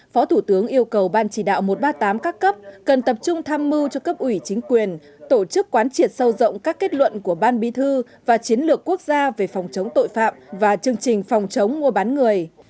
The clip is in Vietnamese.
phó thủ tướng yêu cầu ban chỉ đạo một trăm ba mươi tám các cấp cần tập trung tham mưu cho cấp ủy chính quyền tổ chức quán triệt sâu rộng các kết luận của ban bí thư và chiến lược quốc gia về phòng chống tội phạm và chương trình phòng chống mua bán người